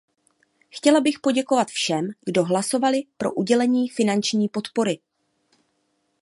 Chtěla bych poděkovat všem, kdo hlasovali pro udělení finanční podpory.